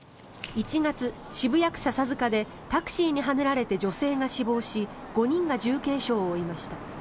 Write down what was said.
１月、渋谷区笹塚でタクシーにはねられて女性が死亡し５人が重軽傷を負いました。